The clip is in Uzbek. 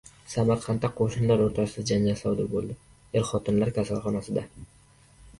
Samarqandda qo‘shnilar o‘rtasida janjal sodir bo‘ldi. Er-xotinlar kasalxonada